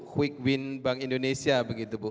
quick win bank indonesia begitu bu